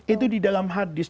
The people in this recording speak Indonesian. itu di dalam hadis